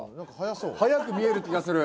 速く見える気がする。